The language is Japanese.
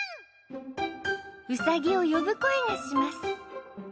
うさぎを呼ぶ声がします。